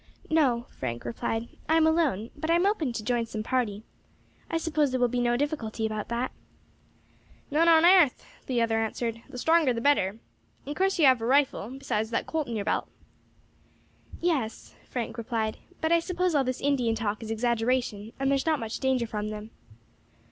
"No," Frank replied, "I am alone; but I am open to join some party. I suppose there will be no difficulty about that." "None on airth," the other answered; "the stronger the better. In course you have a rifle, besides that Colt in your belt." "Yes," Frank replied; "but I suppose all this Indian talk is exaggeration, and there is not much danger from them."